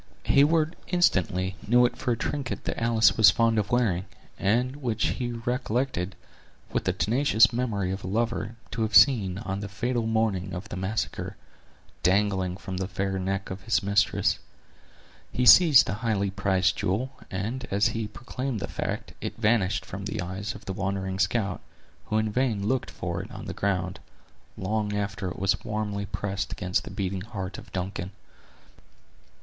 Heyward instantly knew it for a trinket that Alice was fond of wearing, and which he recollected, with the tenacious memory of a lover, to have seen, on the fatal morning of the massacre, dangling from the fair neck of his mistress. He seized the highly prized jewel; and as he proclaimed the fact, it vanished from the eyes of the wondering scout, who in vain looked for it on the ground, long after it was warmly pressed against the beating heart of Duncan.